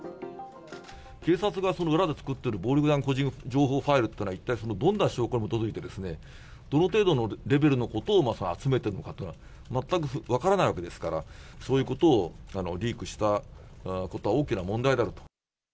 警察が裏で作ってる暴力団個人情報ファイルというのは、一体、どんな証拠に基づいて、どの程度のレベルのことを集めてるのかとか、全く分からないわけですから、そういうことをリークしたことは大きな問題であると。